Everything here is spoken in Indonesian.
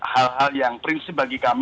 hal hal yang prinsip bagi kami